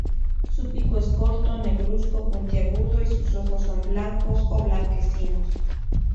Su pico es corto, negruzco y puntiagudo, y sus ojos son blancos o blanquecinos.